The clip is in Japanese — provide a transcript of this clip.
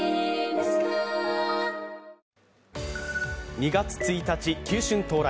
２月１日、球春到来。